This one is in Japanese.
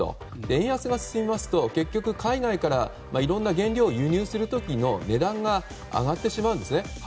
円安が進むと海外からいろんな原料を輸入するときの値段が上がってしまうんですね。